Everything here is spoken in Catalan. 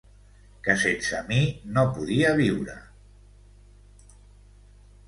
Que sense mi no podia viure.